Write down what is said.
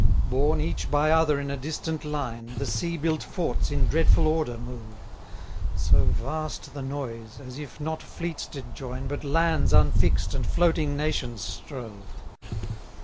57 Borne each by other in a distant line, The sea built forts in dreadful order move: So vast the noise, as if not fleets did join, But lands unfix'd, and floating nations strove.